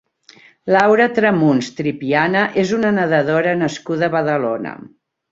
Laura Tramuns Tripiana és una nedadora nascuda a Badalona.